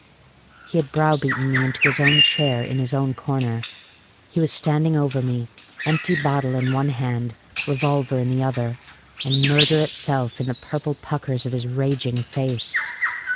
He had browbeaten me into his own chair in his own corner; he was standing over me, empty bottle in one hand, revolver in the other, and murder itself in the purple puckers of his raging face.